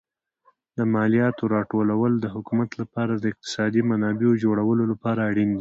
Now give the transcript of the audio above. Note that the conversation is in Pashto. د مالیاتو راټولول د حکومت لپاره د اقتصادي منابعو جوړولو لپاره اړین دي.